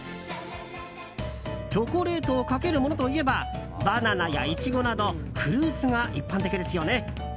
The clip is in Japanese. チョコレートをかけるものといえばバナナやイチゴなどフルーツが一般的ですよね。